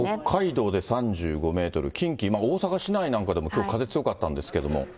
北海道で３５メートル、近畿、大阪市内でもきょう、風強かったんですけども。